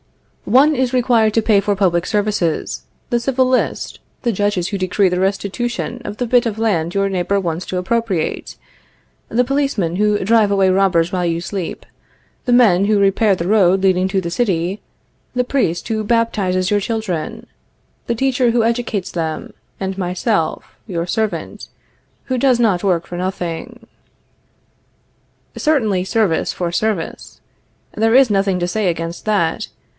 One is required to pay for public services, the civil list, the judges who decree the restitution of the bit of land your neighbor wants to appropriate, the policemen who drive away robbers while you sleep, the men who repair the road leading to the city, the priest who baptizes your children, the teacher who educates them, and myself, your servant, who does not work for nothing. Certainly, service for service. There is nothing to say against that.